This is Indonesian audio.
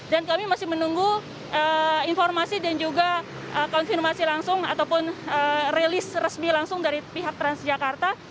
dan kami masih menunggu informasi dan juga konfirmasi langsung ataupun rilis resmi langsung dari pihak transjakarta